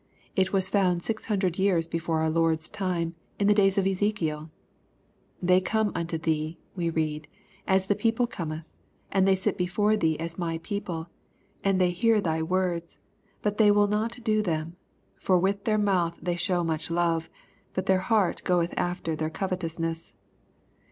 It was found six hun dred years before our Lord's time, in the days of Ezekiel :" They come unto thee," we read, "as the people cometh, and they sit before thee as my people, and they hear thy words, but they wdll not do them, for with their mouth they show much love, but their heart goeth after their covetousness.'